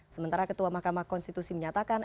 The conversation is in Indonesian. sementara ketua mahkamah konstitusi menyatakan